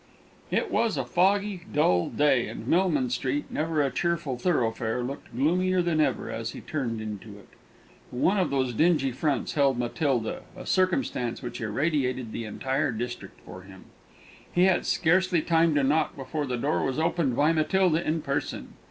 It was a foggy, dull day, and Millman Street, never a cheerful thoroughfare, looked gloomier than ever as he turned into it. But one of those dingy fronts held Matilda a circumstance which irradiated the entire district for him. He had scarcely time to knock before the door was opened by Matilda in person.